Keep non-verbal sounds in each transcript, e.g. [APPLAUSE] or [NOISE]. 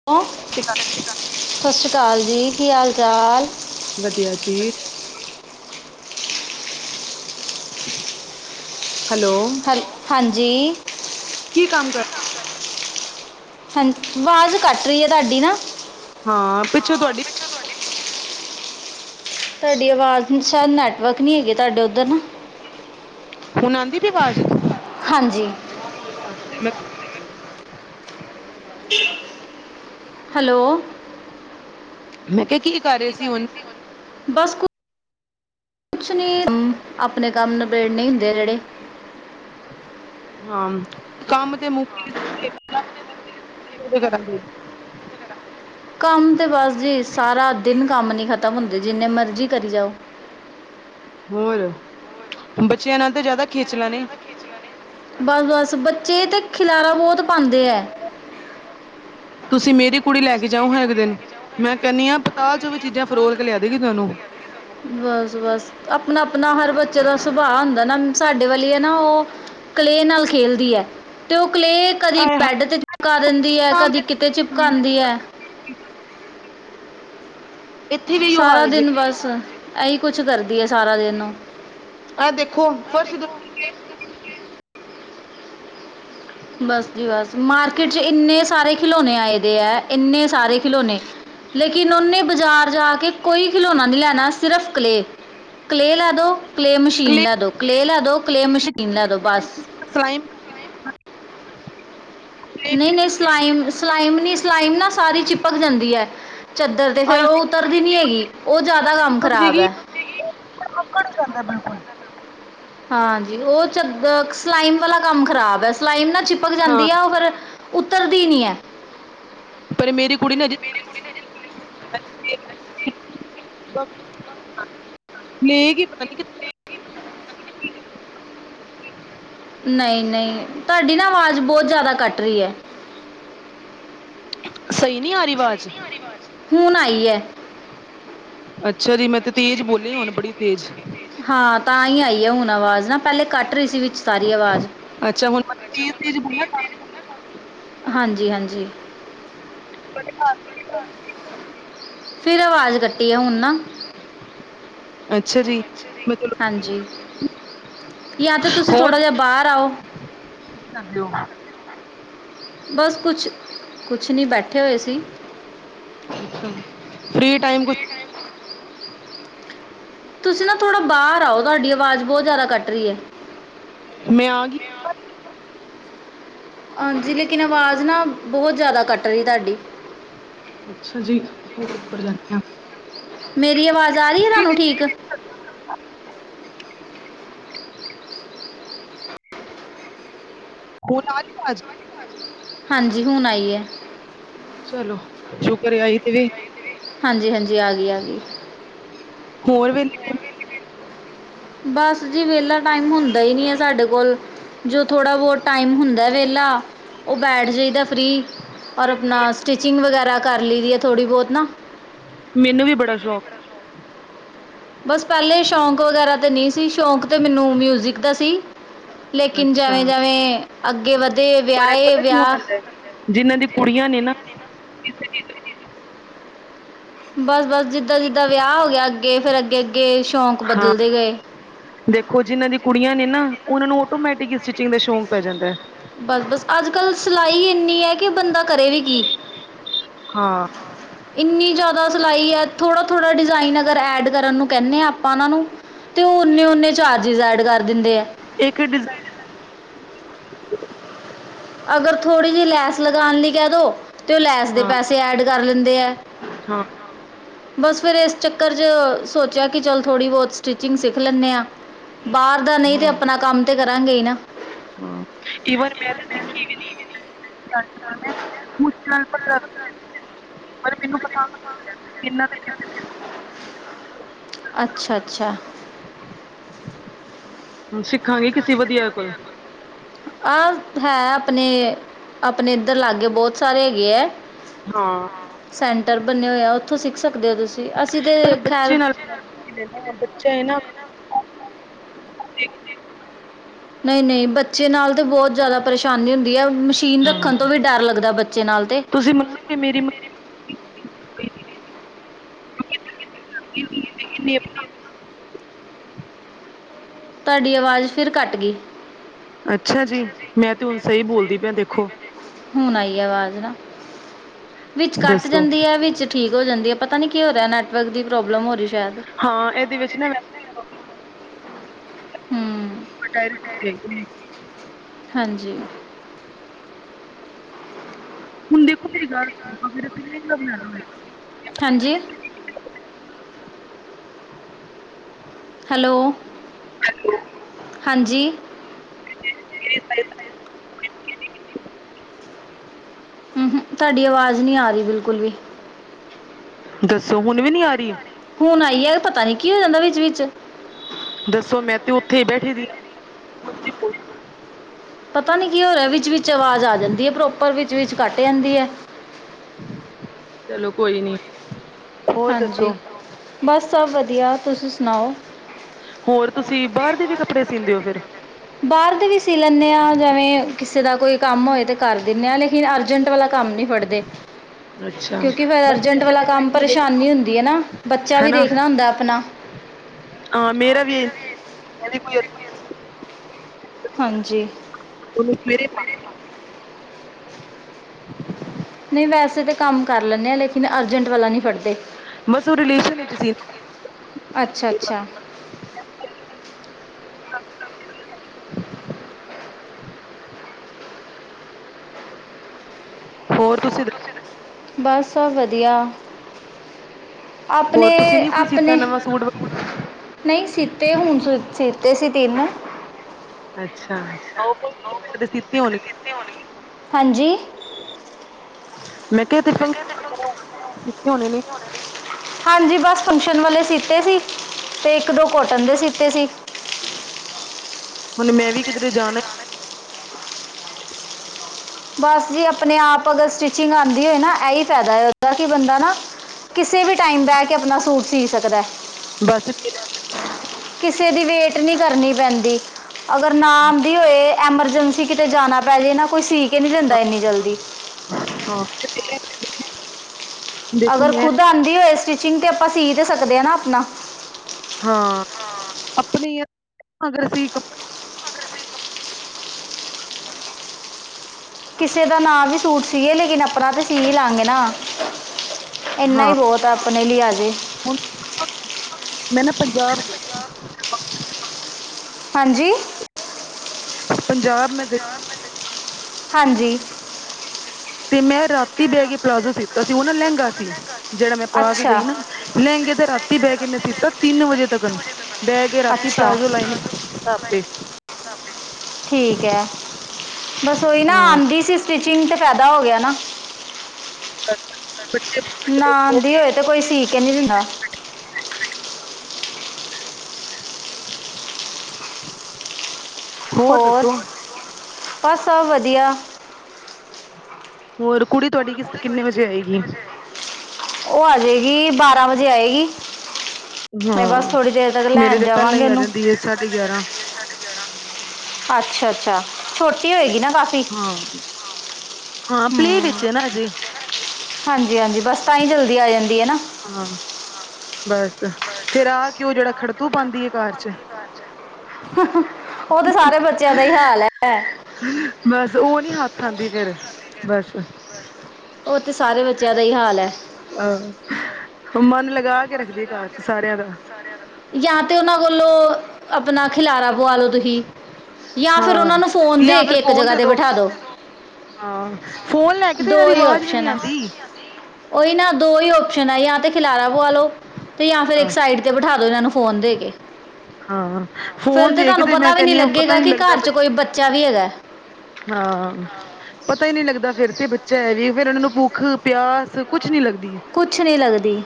[UNINTELLIGIBLE] ਠੀਕ ਆ। ਸਾਸਰੀ ਕਾਲ ਜੀ ਕੀ ਆਲ-ਚਾਲ। ਵਧੀਆ ਜੀ। ਹੈਲੋ। ਹਲ ਹਾਂਜੀ। ਕੀ ਕੰਮ ਕਰ ਹਾਂ ਆਵਾਜ਼ ਕੱਟ ਰੀ ਐ ਤੁਆਡੀ ਨਾ। ਹਾਂ ਪਿੱਛੋਂ ਤੁਆਡੀ ਤੁਆਡੀ ਆਵਾਜ਼ ਸ਼ੈਦ ਨੈੱਟਵਰਕ ਨੀ ਹੈਗੀ ਤੁਆਡੇ ਓਧਰ ਨਾ। ਹੁਣ ਆਂਦੀ ਪਈ ਵਾਜ਼? ਹਾਂਜੀ। ਆਂ ਤੇ ਮੈਂ ਹੈਲੋ। ਮੈਂ ਕੈਆ ਕੀ ਕਰ ਰਹੇ ਸੀ ਹੁਨ ਬਸ ਕੁ ਕੁਛ ਨੀ ਹੂੰ, ਆਪਣੇ ਕੰਮ ਨਬੇੜਨੇ ਈ ਹੁੰਦੇ ਐ ਜੇੜੇ ਹਾਂ ਕੰਮ ਤੇ ਮੁਕ [UNINTELLIGIBLE] ਕੰਮ ਤੇ ਬਸ ਜੀ ਸਾਰਾ ਦਿਨ ਕੰਮ ਨੀ ਖਤਮ ਹੁੰਦੇ ਜਿੰਨੇ ਮਰਜ਼ੀ ਕਰੀ ਜਾਓ। ਹੋਰ, ਬੱਚਿਆਂ ਨਾਲ ਤਾਂ ਜਾਦਾ ਖੇਚਲਾਂ ਨੇ। ਬਸ-ਬਸ ਬੱਚੇ ਤੇ ਖਿਲਾਰਾ ਬੋਤ ਪਾਂਦੇ ਐ। ਤੁਸੀਂ ਮੇਰੀ ਕੁੜੀ ਲੈ ਕੇ ਜਾਓ ਹਾਂ ਏਕ ਦੇਨ, ਮੈਂ ਕੈਨੀ ਆਂ ਪਤਾਲ ਚੋਂ ਵੀ ਚੀਜ਼ਾਂ ਫਰੋਲ ਕੇ ਲਿਆ ਦੇਗੀ ਤੁਆਨੂੰ। ਬਸ-ਬਸ ਆਪਣਾ-ਆਪਣਾ ਹਰ ਬੱਚੇ ਦਾ ਸੁਭਾਅ ਹੁੰਦਾ ਨਾ ਸਾਡੇ ਵਾਲੀ ਆ ਨਾ ਓ ਕਲੇਅ ਨਾਲ ਖੇਲਦੀ ਐ, ਤੇ ਓ ਕਲੇਅ ਕਦੀ ਆਏ ਹਾਏ, ਬੈਡ ਤੇ ਚਿਪਕਾ ਦਿੰਦੀ ਐ ਕਦੀ ਸਾਹਮਣੇ ਕਿਤੇ ਚਿਪਕਾਂਦੀ ਐ। ਇੱਥੇ ਵੀ ਇਹੋ ਸਾਰਾ ਹਾਲ ਜੇ ਦਿਨ ਬਸ ਐਈ ਕੁਛ ਕਰਦੀ ਏ ਸਾਰਾ ਦਿਨ ਆਹ ਦੇਖੋ ਫਰਸੀ ਬਸ ਜੀ ਬਸ ਮਾਰਕੀਟ ਚ ਇੰਨੇ ਸਾਰੇ ਖਿਲੌਣੇ ਆਏ ਦੇ ਐ ਇੰਨੇ ਸਾਰੇ ਖਿਲੌਣੇ ਲੇਕਿਨ ਉਹਨੇ ਬਾਜ਼ਾਰ ਜਾ ਕੇ ਕੋਈ ਖਿਲੌਣਾ ਨਹੀਂ ਲੈਨਾ ਸਿਰਫ ਕਲੇਅ ਕਲੇਅ ਲੈ ਦੋ ਕਲੇਅ ਮਸ਼ੀਨ ਕਲੇ ਲੈ ਦੋ ਕਲੇਅ ਲੈ ਦੋ ਕਲੇਅ ਮਸ਼ੀਨ ਲੈ ਦੋ ਬਸ ਸਲਾਈਮ ਨਹੀਂ-ਨਹੀਂ ਸਲਾਈਮ, ਸਲਾਈਮ ਸਲਾਈਮ ਨਾ ਸਾਰੀ ਚਿਪਕ ਜਾਂਦੀ ਐ ਚਦਰ ਤੇ ਫੇਰ ਆਏ ਹਾਏ, ਉਹ ਉਤਰਦੀ ਨੀ ਹੈਗੀ ਉਹ ਜ਼ਿਆਦਾ ਕੰਮ ਖ਼ਰਾਬ ਐ ਉਹ ਅਕੜ ਈ ਜਾਂਦਾ ਬਿਲਕੁਲ ਹਾਂਜੀ ਉਹ ਚ ਸਲਾਈਮ ਵਾਲਾ ਕੰਮ ਖ਼ਰਾਬ ਐ ਸਲਾਈਮ ਨਾ ਚਿਪਕ ਹਾਂ ਜਾਂਦੀ ਆ ਉਹ ਫਿਰ ਉੱਤਰਦੀ ਈ ਨੀ ਐ ਫਿਰ ਮੇਰੀ ਕੁੜੀ ਨੇ ਅਜੇ [UNINTELLIGIBLE] ਨਹੀਂ-ਨਹੀਂ ਤਾਡੀ ਨਾ ਆਵਾਜ਼ ਬਹੁਤ ਜ਼ਿਆਦਾ ਕੱਟ ਰਹੀ ਐ ਸਹੀ ਨੀ ਆ ਰਹੀ ਵਾਜ਼ ਮੇਰੀ ਵਾਜ਼ ਹੁਨ ਆਈ ਐ ਅੱਛਾ ਜੀ, ਮੈਂ ਤਾਂ ਤੇਜ ਬੋਲੀ ਹੁਨ ਬੜੀ ਤੇਜ਼ ਹਾਂ ਤਾਂ ਈ ਆਈ ਐ ਹੁਨ ਆਵਾਜ਼ ਨਾ ਪਹਿਲੇ ਕੱਟ ਰਹੀ ਸੀ ਵਿੱਚ ਸਾਰੀ ਆਵਾਜ਼ ਅੱਛਾ ਹੁਨ, ਮੈ ਤੇਜ ਤੇਜ ਬੋਲੀ ਆ ਤਾ ਹਾਂਜੀ ਹਾਂਜੀ। [UNINTELLIGIBLE] ਫਿਰ ਆਵਾਜ਼ ਕੱਟੀ ਐ ਹੁਨ ਅੱਛਾ ਜੀ, ਮਤਲਬ ਹਾਂਜੀ, ਯਾ ਤਾਂ ਤੁਸੀਂ ਥੋੜ੍ਹਾ ਜਿਆ ਬਾਹਰ ਆਓ ਤੁਸੀ ਕਰਲਿੳ ਬਸ ਕੁਛ ਕੁਛ ਨੀ ਬੈਠੇ ਹੋਏ ਸੀ ਫਰੀ ਟਾਈਮ ਕੁਛ ਤੁਸੀਂ ਨਾ ਥੋੜਾ ਬਾਹਰ ਆਓ, ਤੁਹਾਡੀ ਆਵਾਜ਼ ਬਹੁਤ ਜ਼ਿਆਦਾ ਕੱਟ ਰਹੀ ਐ ਮੈਂ ਆਗੀ ਹਾਂਜੀ, ਲੇਕਿਨ ਆਵਾਜ਼ ਨਾ ਬਹੁਤ ਜ਼ਿਆਦਾ ਕੱਟ ਰਹੀ ਤਾਡੀ ਅੱਛਾ, ਜੀ ਹੋਰ ਉੱਪਰ ਜਾਨੀ ਆ ਮੇਰੀ ਆਵਾਜ਼ ਆ ਰਹੀ ਏ, ਫ੍ਰੀ ਤਾਹਨੂੰ ਟਾਈਮ ਠੀਕ [UNINTELLIGIBLE] ਹਾਂਜੀ ਹੁਨ ਆਈ ਏ ਚਲੋ ਸ਼ੁਕਰ ਆਈ ਤੇ ਵੀ ਹਾਂਜੀ ਹਾਂਜੀ ਆ ਗਈ ਆ ਗਈ ਹੋਰ ਵੇਲੇ ਵੇ ਬਸ ਜੀ ਵਿਹਲਾ ਟਾਈਮ ਹੁੰਦਾ ਈ ਨਹੀ ਐ ਸਾਡੇ ਕੋਲ ਜੋ ਥੋੜ੍ਹਾ ਬਹੁਤ ਟਾਈਮ ਹੁੰਦਾ ਵੇਹਲਾ ਉਹ ਬੈਠ ਜਾਈਦਾ ਫਰੀ ਔਰ ਅਪਨਾ ਸਟਿਚਿੰਗ ਵਗੈਰਾ ਕਰ ਲਈ ਦੀ ਐ ਥੋੜੀ ਬਹੁਤ ਨਾ ਮੈਨੂੰ ਵੀ ਬੜਾ ਸ਼ੌਕ ਏ ਬਸ ਪਹਿਲੇ ਸ਼ੌਂਕ ਵਗੈਰਾ ਤੇ ਨਹੀ ਸੀ, ਸ਼ੌਂਕ ਤੇ ਮੈਨੂੰ ਮਿਊਜਿਕ ਦਾ ਸੀ ਹੈ। ਲੇਕਿਨ ਅੱਛਾ ਜਵੇਂ ਜਵੇਂ ਅੱਗੇ ਵਧੇ ਵਿਆਹੇ ਵਿਆਹ ਜਿੰਨਾਂ ਦੀ ਕੁੜੀਆਂ ਨੇ ਨਾ [UNINTELLIGIBLE] ਬਸ-ਬਸ ਜਿੱਦਾਂ-ਜਿੱਦਾਂ ਵਿਆਹ ਹੋ ਗਿਆ। ਅੱਗੇ ਫੇਰ ਅੱਗੇ-ਅੱਗੇ ਸ਼ੌਂਕ ਹਾਂ ਬਦਲਦੇ ਗਏ ਦੇਖੋ ਜਿਨਾਂ ਦੀ ਕੁੜੀਆਂ ਨੇ ਨਾ ਉਹਨਾਂ ਨੂੰ ਔੌਟੋਮੈਟਿਕ ਸਟਿਚਿੰਗ ਦਾ ਸ਼ੌਂਕ ਪੈ ਜਾਂਦਾ। ਬਸ-ਬਸ ਅੱਜ- ਕੱਲ੍ਹ ਸਿਲਾਈ ਇੰਨੀ ਏ ਕਿ ਬੰਦਾ ਕਰੇ ਵੀ ਕੀ? ਹਾਂ ਇੰਨੀ ਜ਼ਿਆਦਾ ਸਿਲਾਈ ਏ ਥੋੜ੍ਹਾ-ਥੋੜ੍ਹਾ ਡਿਜ਼ਾਇਨ ਅਗਰ ਐਡ ਕਰਨ ਨੂੰ ਕਹਿੰਦੇ ਹਾਂ। ਆਪਾਂ ਉਹਨਾਂ ਨੂੰ ਤੇ ਉਹ ਉਹਨੇ-ੳਹਨੇ ਚਾਰਚਿਜ ਐਡ ਕਰ ਦਿੰਦੇ ਐ। ਇੱਕ ਡਿਜ਼ਾਈਨ ਅਗਰ ਥੋੜੀ ਜੀ ਲੈਸ ਲਗਾਣ ਲਈ ਕਹਿ ਦੋ ਤੇ ਉਹ ਲੈਸ ਦੇ ਹਾਂ ਪੈਸੇ ਐਡ ਕਰ ਲੈਂਦੇ ਐ। ਹਾਂ। ਬਸ ਫਿਰ ਇਸ ਚੱਕਰ 'ਚ ਸੋਚਿਆ ਕਿ ਚੱਲ ਥੋੜ੍ਹੀ ਬਹੁਤ ਸਟਿਚਿੰਗ ਸਿੱਖ ਲੈਨ ਆ। ਬਾਹਰ ਦਾ ਨੀ ਤੇ ਹਾਂ ਆਪਣਾ ਕੰਮ ਤੇ ਕਰਾਂਗੇ ਈ ਨਾ ਈਵਨ ਮੈਂ ਤੇ ਸਿੱਖੀ ਵੀ ਨ ਮੈਂ [UNINTELLIGIBLE] ਪਰ ਮੈਨੂੰ ਪਤਾ ਕਿੰਨਾ ਕਰ [UNINTELLIGIBLE] ਅੱਛਾ ਅੱਛਾ ਸਿੱਖਾਂਗੇ ਕਿਸੇ ਵਧੀਆ ਕੋਲ ਆਹ ਹੈ ਆਪਣੇ, ਆਪਣੇ ਇੱਧਰ ਲਾਗੇ ਬਹੁਤ ਸਾਰੇ ਹੈਗੇ ਐ। ਹਾਂ। ਸੈਂਟਰ ਬਣੇ ਹੋਏ ਆ ਉਥੋਂ ਸਿਖ ਸਕਦੇ ਹੋ ਤੁਸੀਂ ਅਸੀਂ ਤਾਂ ਪਰ ਖੈਰ ਬੱਚੇ ਨਾਲ [UNINTELLIGIBLE] ਬੱਚਾ ਇਹ ਨਾ [UNINTELLIGIBLE] ਨਈ-ਨਈ ਬੱਚੇ ਨਾਲ ਤੇ ਬਹੁਤ ਜ਼ਿਆਦਾ ਪਰੇਸ਼ਾਨੀ ਹੁੰਦੀ ਹੈ ਮੁਸ਼ ਮਸੀਨ ਹਾਂ। ਰੱਖਣ ਤੋਂ ਵੀ ਡਰ ਲੱਗਦਾ ਬੱਚੇ ਨਾਲ ਤੇ। ਤੇ ਮੇਰੀ ਮ [UNINTELLIGIBLE] [INAUDIBLE] ਤੁਆਡੀ ਆਵਾਜ਼ ਫਿਰ ਘੱਟ ਗੀ। ਅੱਛਾ ਜੀ, ਮੈਂ ਤੇ ਹੁਣ ਸਹੀ ਬੋਲਦੀ ਪਈਆ ਦੇਖੋ। ਹੁਣ ਆਈ ਆ ਆਵਾਜ਼ ਨਾ, ਵਿੱਚ ਕੱਟ ਦੱਸੋ। ਜਾਂਦੀ ਐ ਵਿੱਚ ਠੀਕ ਹੋ ਜਾਂਦੀ ਐ। ਪਤਾ ਨੀ ਕੀ ਹੋ ਰਿਹਾ ਨੈਟ -ਵੈਟਵਰਕ ਦੀ ਪ੍ਰੋਬਲਮ ਹੋ ਰਹੀ ਸ਼ਾਇਦ ਹਾਂ, ਇਹਦੇ ਵਿੱਚ ਨਾ ਮੈਂ [UNINTELLIGIBLE] ਹੂੰ ਓ ਡੈਰੀ ਤੂੰ ਦੇਖ ਲੀ। ਹਾਂਜੀ। ਹੁਣ, ਦੇਖੋ। ਮੇਰੀ ਗੱਲ ਸੁਣੋ ਫਿਰ ਕਿੰਨੇ ਦਾ ਬਣਾ ਵੇ? ਹੈ ਜੀ। ਹੈਲੋ। ਹਾਂਜੀ। [INAUDIBLE] ਊ ਹੂ ਤੁਹਾਡੀ ਆਵਾਜ਼ ਨੀ ਆ ਰਹੀ ਬਿਲਕੁਲ ਵੀ। ਦੱਸੋ, ਹੁਣ ਵੀ ਨੀ ਆ ਰਹਿ ਈ। ਹੁਣ, ਆਈ ਏ, ਪਤਾ ਨੀ ਕੀ ਹੋ ਜਾਂਦਾ ਵਿੱਚ -ਵਿੱਚ। ਦੱਸੋ, ਮੈਂ ਤੇ ਉੱਥੇ ਬੈਠ ਰਹੀ ਆ ਇੱਕ। ਪਤਾ ਨੀ ਕੀ ਹੋ ਰਿਹਾ। ਵਿੱਚ -ਵਿੱਚ ਆਵਾਜ਼ ਆ ਜਾਂਦੀ ਏ ਪ੍ਰੋਪਰ ਵਿੱਚ ਵਿੱਚ ਕੱਟ ਜਾਂਦੀ ਐ। ਚਲੋ ਕੋਈ ਨੀ। ਹੋਰ ਹਾਂਜੀ ਦੱਸੋ ਬਸ ਵਧੀਆ, ਤੁਸੀਂ ਸੁਣਾਓ? ਹੋਰ ਤੁਸੀਂ ਬਾਹਰ ਦੇ ਵੀ ਕੱਪੜੇ ਸੀਂ ਦੇਓ ਫਿਰ? ਬਾਹਰ ਦੇ ਵੀ ਸੀ ਲੈਂਨੇ ਆ। ਜਾ ਜੈਵੇ ਕਿਸੇ ਦਾ ਕੋਈ ਕੰਮ ਹੋਏ ਤੇ ਕਰ ਦਿੰਨੇ ਆ। ਲੇਕਿਨ ਅਰਜੈਂਟ ਵਾਲਾ ਕੰਮ ਨੀ ਫੜ੍ਹਦੇ। [INAUDIBLE] ਕਿਉਂਕਿ ਫੇਰ ਬਸ ਅਰਜੈਂਟ ਇਹਨਾਂ ਵਾਲਾ ਦੇ ਕੰਮ ਟਾਈਮ ਮਿਲੇ ਪਰੇਸ਼ਾਨੀ ਹੁੰਦੀ ਐ ਨਾ। ਬੱਚਾ ਵੀ ਦੇਖਣਾ ਹੁੰਦਾ ਆਪਣਾ ਅ ਮੇਰਾ ਵੀ ਏ, ਮੇਰੀ ਵੀਅਰ ਹਾਂਜੀ। [UNINTELLIGIBLE] ਨਈ, ਵੈਸੇ ਤਾਂ ਕੰਮ ਕਰ ਲੈਂਨੇ ਆ, ਲੇਕਿਨ ਅਰਜੈਂਟ ਵਾਲਾ ਨੀ ਫੜਦੇ। ਬਸ ਓਹ ਰਿਲੇਸ਼ਨ ਇਚ ਸੀ। ਅੱਛਾ-ਅੱਛਾ। ਹੋਰ ਤੁਸੀਂ ਬਸ ਸਬ ਵਦੀਆ। ਹੋਰ ਤੁਸੀਂ ਨੀ ਕੋਈ ਸੀਤਾ ਆਪਣੇ-ਆਪਣੇ ਨਵਾਂ ਸੂਟ ਵ ਨਹੀਂ ਸੀਤੇ ਆ ਹੁਣ ਸੀ ਸੀਤੇ ਸੀ ਤਿੰਨ ਨੂ। ਅੱਛਾ [UNINTELLIGIBLE] ਹਾਂਜੀ। ਮੈਂ ਕੇਆ ਇਦੇ ਕੋਲ ਪੁਛ ਲੋ, ਕੀੱਥੇ ਹੋਣੇ ਨੇ। ਹਾਂਜੀ, ਬਸ ਫੰਕਸ਼ਨ ਵਾਲੇ ਸੀਤੇ ਸੀ, ਤੇ ਇੱਕ-ਦੋ ਕੋਟਨ ਦੇ ਸੀਤੇ ਸੀ। ਹੁਣ ਮੈਂ ਵੀ ਕਿਦਰੇ ਜਾਣੈ ਬਸ ਜੀ, ਆਪਣੇ ਆਪ ਅਗਰ ਸਟਿੰਚਿੰਗ ਆਂਦੀ ਏ ਨਾ ਏਹੀ ਫਾਐਦਾ ਏ ਉਦਾ ਕੀ ਬੰਦਾ ਨਾ ਕਿਸੇ ਵੀ ਟਾਈਮ ਬੈ ਕੇ ਆਪਣਾ ਸੂਟ ਸੀ ਸਕਦੈ। ਬੱਸ ਫਿਰ ਕਿਸੇ ਦੀ ਵੇਟ ਨੀ ਕਰਨੀ ਪੈਂਦੀ ਅਗਰ ਨਾ ਆਂਦੀ ਓਏ ਐਮਰਜੈਂਸੀ ਕਿਤੇ ਜਾਣਾ ਪੈ ਜੇ ਨਾ ਕੋਈ ਸੀਂ ਕੇ ਨੀ ਦੇਂਦਾ ਇੰਨੀ ਜਲਦੀ। ਹਾਂ [UNINTELLIGIBLE] ਦੇਖੋ ਅਗਰ ਮੈਂ ਖੁਦ ਆਂਦੀ ਓਏ ਸਟਿਚਿੰਗ ਤਾਂ ਆਪਾਂ ਸੀ ਤਾਂ ਸਕਦੇ ਆਂ ਨਾ ਆਪਣਾ। ਹਾਂ ਆਪਣੀ ਅ ਅਗਰ ਅਸੀਂ ਕ ਕਿਸੇ ਦਾ ਨਾ ਵੀ ਸੂਟ ਸੀਏ ਲੇਕਿਨ ਆਪਣਾ ਤੇ ਸੀ ਈ ਲਾਂਗੇ ਨਾ, ਏੱਨਾ ਈ ਹਾਂ ਬਹੋਤ ਤਾਂ ਆਪਣੇ ਲਈ ਆਜੇਂ ਹੁਣ, ਮੈਂ ਨਾ ਪੰਜਾਬ ਹਾਂਜੀ। ਪੰਜਾਬ ਮੈਂ ਗਈ। ਹਾਂਜੀ। ਤੇ ਮੈਂ ਰਾਂਤੀ ਬੈ ਕੇ ਪਲਾਜ਼ੋ ਸੀਤਾ ਸੀ, ਓ ਨਾ ਲੈੰਗਾ ਸੀ। ਜੇਹੜਾ ਮੈਂ ਪਾ ਕੇ ਅੱਛਾ ਗਈ ਨਾ, ਲੈੰਗੇ ਤੇ ਰਾਤੀ ਬੈ ਕੇ ਮੈਂ ਸੀਤਾ ਤਿੰਨ ਵਜੇ ਤਕਣ। ਬੈ ਕੇ ਰਾਤੀ ਅੱਛਾ ਪਲਾਜ਼ੋ ਲਾਈਨਿ ਤਾ ਆਪੇ। ਠੀਕ ਐ, ਬਸ ਓਹੀ ਨਾ ਹਾਂ ਸੀ ਸਟਿਚਿੰਗ ਤੇ ਫਾਏਦਾ ਹੋ ਗੇਆ ਨਾ। [INAUDIBLE] ਨਾ ਆਂਦੀ ਹੋਏ ਤੇ ਕੋਈ ਸੀ ਕੇ ਨੀ ਦੇੰਦਾ। ਹੋਰ ਦੱਸੋ ਬਸ ਸਭ ਵਦੀਆ। ਹੋਰ ਕੁੜੀ ਤੁਆਡੀ ਕਿਸ ਕਿੰਨੇ ਵਜੇ ਆਏਗੀ? ਓਹ ਆ ਜੇਗੀ ਬਾਰਾਂ ਵਜੇ ਆਏਗੀ। ਅਸੀਂ ਬਸ ਹਾਂ ਥੋੜੀ ਦੇਰ ਤੱਕ ਮੇਰੇ ਲੈਣ ਤੇ ਪਹਿਲਾਂ ਜਾਵਾਂਗੇ ਹੀ ਆ ਓਨੂੰ। ਜਾਂਦੀ ਹੈ ਸਾਢੇ ਗਿਆਰਾਂ ਅੱਛਾ-ਅੱਛਾ ਛੋਟੀ ਹੋਏਗੀ ਨਾ ਕਾਫੀ। ਹਾਂ, ਹਾਂ ਪਲੇ ਵਿੱਚ ਏ ਨਾ ਅਜੇ ਹਾਂਜੀ-ਹਾਂਜੀ ਬਸ ਤਾਂ ਈ ਜਲਦੀ ਆ ਜਾਂਦੀ ਏ ਨਾ ਹਾਂ ਬਸ ਫਿਰ ਆ ਕੇਓ ਜੇੜਾ ਖੜਤੂ ਪਾਂਦੀ ਏ ਘਰ 'ਚ ਓ ਤੇ ਸਾਰੇ ਬੱਚਿਆਂ ਦਾ ਈ ਹਾਲ ਐ। ਬਸ ਓ ਨੀ ਹੱਥ ਆਂਦੀ ਫਿਰ ਬਸ ਓ ਤੇ ਸਾਰੇ ਬੱਚਿਆਂ ਦਾ ਈ ਹਾਲ ਐ। ਆ ਮਨ ਲਗਾ ਕੇ ਰੱਖਦੀ ਆ ਘਰ 'ਚ ਸਾਰਿਆਂ ਦਾ ਜਾਂ ਤੇ ਉਹਨਾਂ ਕੋਲੋਂ ਆਪਣਾ ਖਿਲਾਰਾ ਪਵਾ ਲੋ ਤੁਹੀ ਜਾਂ ਫਿਰ ਹਾਂ ਉਨਾਂ ਨੂੰ ਫੋਨ ਦੇ ਜਾਂ ਕੇ ਫਿਰ ਇੱਕ ਫੋਨ ਜਗ੍ਹਾ ਦੇ ਤੇ ਬਿਠਾ ਦੋ। ਹਾਂ ਫੋਨ ਲੈ ਕੇ ਤੇ ਇਹਨਾਂ ਦੋ ਦੀ ਈ ਆਵਾਜ਼ ਵੀ ਨੀ ਓਪਸ਼ਨ ਐ। ਆਉਂਦੀ ਉਹੀ ਨਾ ਦੋ ਈ ਓਪਸ਼ਨ ਹੈ ਜਾਂ ਤੇ ਖਿਲਾਰਾ ਪੁਆ ਲੋ ਤੇ ਜਾਂ ਫਿਰ ਇੱਕ ਹਾਂ ਸਾਈਡ ਤੇ ਬਿਠਾ ਇਨਾਂ ਨੂੰ ਫੋਨ ਦੇ ਕੇ। ਹਾਂ ਫਿਰ ਫੋਨ ਤੇ ਦੇ ਕੇ ਤਾਨੂੰ ਮੈਂ ਪਤਾ ਵੀ ਨੀ ਕਹਿੰਦੀ ਹਾਂ ਪਤਾ ਲੱਗੇਗਾ ਹੀ ਨਹੀਂ ਕਿ ਲੱਗਦਾ ਘਰ ਬ 'ਚ ਕੋਈ ਬੱਚਾ ਵੀ ਹੈਗਾ। ਹਾਂ ਪਤਾ ਈ ਨਈ ਲੱਗਦਾ ਫਿਰ ਤੇ ਬੱਚਾ ਹੈ ਵੀ ਫਿਰ ਉਨਾਂ ਨੂੰ ਭੁੱਖ ਪਿਆਸ ਕੁਛ ਨੀ ਲੱਗਦੀ ਏ। ਕੁਛ ਨਈ ਲੱਗਦੀ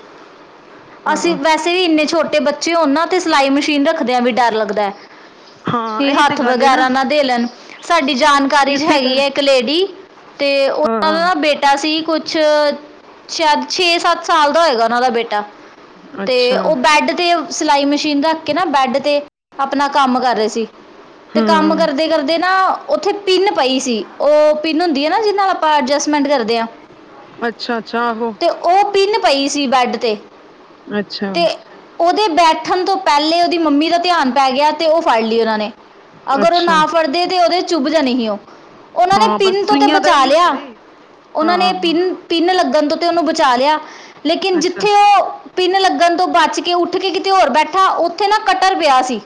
ਅਸੀ ਹਾਂ ਵੈਸ ਤੇ ਇੰਨੇ ਛੋਟੇ ਬੱਚੇ ਹੋਨ ਤੇ ਸਿਲਾਈ ਮਸ਼ੀਨ ਰੱਖਦਿਆਂ ਵੀ ਡਰ ਲੱਗਦੈ। ਹਾਂ ਕਿ ਇਹੀ ਤੇ ਹੱਥ ਗੱਲ ਹੈ ਵਗੈਰਾ ਨਾ ਦੇ ਲੈਣ ਸਾਡੀ ਜਾਨ ਕਾਰੀ 'ਚ ਇਸੇ ਹੈਗੀ ਕਰ ਹੈ ਇੱਕ ਲੇਡੀ ਤੇ ਹਾਂ ਉਨਾਂ ਦਾ ਨਾ ਬੇਟ ਐਸੇ ਈ ਕੁਛ ਛੇ ਸੱਤ ਸਾਲ ਦਾ ਹੋਏਗਾ ਉਨਾਂ ਦਾ ਬੇਟਾ ਤੇ ਅੱਛਾ ਓ ਬੈਡ ਤੇ ਸਿਲਾਈ ਮਸ਼ੀਨ ਰੱਖ ਕੇ ਨਾ ਬੈਡ ਤੇ ਆਪਣਾ ਕੰਮ ਕਰ ਰਏ ਸੀ ਤੇ ਕੰਮ ਹਮ ਕਰਦੇ ਕਰਦੇ ਨਾ ਉੱਥੇ ਪਿੰਨ ਪਈ ਸੀ ਓ ਪਿੰਨ ਹੁੰਦੀ ਏ ਨਾ ਜਿਦੇ ਨਾਲ ਆਪਾਂ ਐਡਜਸਟਮੈਂਟ ਕਰਦੇ ਆਂ ਅੱਛਾ-ਅੱਛਾ ਆਹੋ ਤੇ ਓ ਪਿੰਨ ਪਈ ਸੀ ਬੈਡ ਤੇ ਅੱਛਾ ਉਦੇ ਬੈਠਣ ਤੋਂ ਪੈਲੇ ਉਦੀ ਮੰਮੀ ਦਾ ਧਿਆਨ ਪੈ ਗਿਆ ਤੇ ਓ ਫੜ ਲਈ ਉਨਾਂ ਨੇ ਅਗਰ ਓ ਅੱਛਾ ਨਾ ਫੜਦੇ ਤੇ ਉਦੇ ਚੁੱਭ ਜਾਣੀ ਹੀ ਓ ਉਨਾਂ ਨੇ ਹਾਂ ਪਿੰਨ ਬਸ ਤੋਂ ਤੇ ਸੂਈਆਂ ਦਾ ਬਚਾ ਇਹੀਓ ਤੇ ਲਿਆ ਵੇ ਉਨਾਂ ਨੇ ਹਾਂ ਪਿੰਨ ਪਿੰਨ ਲੱਗਣ ਤੋਂ ਤੇ ਉਨੂੰ ਬਚਾ ਲਿਆ ਲੇਕਿਨ ਅੱਛਾ ਜਿੱਥੇ ਓ ਪਿੰਨ ਲੱਗਣ ਤੋਂ ਬਚ ਕੇ ਉੱਠ ਕੇ ਕਿਤੇ ਹੋਰ ਬੈਠਾ ਉੱਥੇ ਨਾ ਕੱਟਰ ਪਿਆ ਸੀ।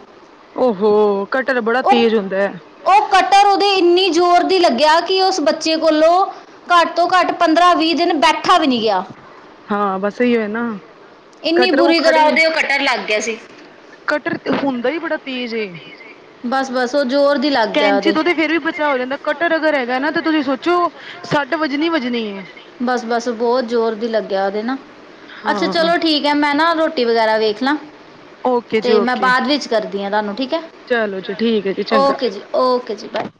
ਓ ਹੋ ਕਟਰ ਬੜਾ ਤੇਜ ਹੁੰਦੈ। ਤੇ ਇੰਨੀ ਜ਼ੋਰ ਦੀ ਲੱਗਿਆ ਕਿ ਉਸ ਬੱਚੇ ਕੋਲੋ ਘੱਟ ਤੋਂ ਘੱਟ ਪੰਦਰਾਂ ਵੀਹ ਦਿਨ ਬੈ ਠਾ ਵੀ ਨਈ ਗਿਆ। ਹਾਂ ਬਸ ਇਹੀਉ ਨਾ। ਇੰਨੀ ਕਟਰ ਉਹ ਬੁਰੀ ਤਰ੍ਹਾਂ ਖੜੇ ਉਦੇ ਓ ਕਟਰ ਲੱਗ ਗਿਆ ਸੀ। ਕਟਰ ਤੇ ਹੁੰਦਾ ਈ ਬੜਾ ਤੇਜ਼ ਏ। ਬਸ-ਬਸ ਓ ਜ਼ੋਰ ਦੀ ਲੱਗ ਗਿਆ ਉਦੇ ਫਿਰ ਵੀ ਬਚਾ ਹੋ ਜਾਂਦਾ। ਕਟਰ ਅਗਰ ਹੈਗਾ ਨਾ ਤਾਂ ਤੁਸੀਂ ਸੋਚੋ ਸੱਟ ਵੱਜਣੀ-ਵੱਜਣੀ ਏ। ਬਸ-ਬਸ ਬੋਤ ਜ਼ੋਰ ਦੀ ਲੱਗਿਆ ਉਦੇ ਨਾ ਅੱਛਾ ਹਾਂ ਚਲੋ ਠੀਕ। ਠੀਕ ਹੈ ਮੈਂ ਨਾ ਰੋਟੀ ਵਗੈਰਾ ਵੇਖ ਲਾਂ ਓਕੇ ਜੀ ਤੇ ਮੈਂ ਓਕੇ ਬਾਦ ਵਿੱਚ ਕਰਦੀ ਆਂ ਤਾਨੂੰ ਠੀਕ ਐ। ਚਲੋ ਜੀ ਠੀਕ ਹੈ ਜੀ ਚੰਗਾ ਓਕੇ ਜੀ ਓਕੇ ਜੀ ਬਾਏ।